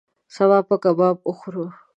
سبا به کباب وخورو